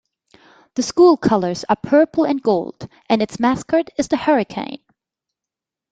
The school colors are purple and gold and its mascot is the hurricane.